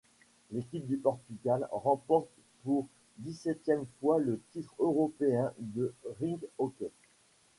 L'équipe du Portugal remporte pour dix-septième fois le titre européen de rink hockey.